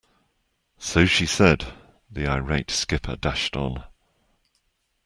So she said, the irate skipper dashed on.